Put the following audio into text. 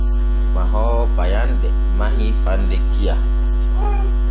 Mahoowo payanɗe mahii faande kiya.